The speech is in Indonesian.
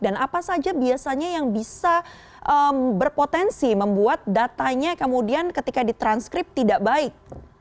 dan apa saja biasanya yang bisa berpotensi membuat datanya kemudian ketika ditranskrip tidak baik